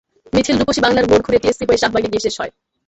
মিছিল রূপসী বাংলার মোড় ঘুরে, টিএসসি হয়ে শাহবাগে গিয়ে শেষ হয়।